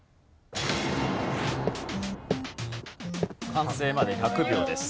完成まで１００秒です。